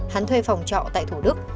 hắn thuê phòng trọ tại thủ đức